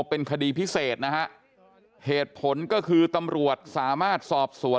เป็นคดีพิเศษนะฮะเหตุผลก็คือตำรวจสามารถสอบสวน